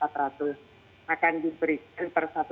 dan diberikan per satu juta